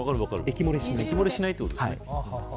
液漏れしないということです。